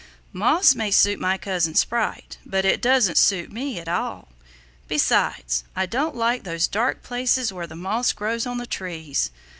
"Moss may suit my cousin Sprite, but it doesn't suit me at all. Besides, I don't like those dark places where the moss grows on the trees.